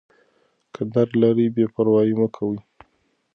که درد لرئ بې پروايي مه کوئ.